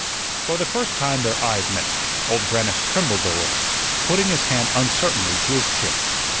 For the first time their eyes met; Old Grannis trembled a little, putting his hand uncertainly to his chin.